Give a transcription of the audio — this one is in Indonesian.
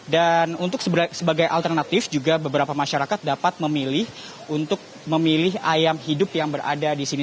dan untuk sebagai alternatif juga beberapa masyarakat dapat memilih untuk memilih ayam hidup yang berada di sini